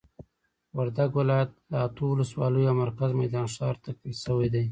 وردګ ولايت له اته ولسوالیو او مرکز میدان شهر تکمیل شوي دي.